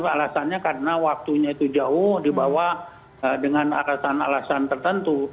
alasannya karena waktunya itu jauh dibawa dengan alasan alasan tertentu